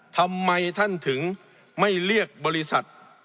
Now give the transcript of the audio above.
ทำไมท่านถึงไม่เรียกบริษัท